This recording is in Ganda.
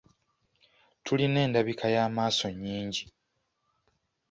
Tulina endabika y’amaaso nnyingi.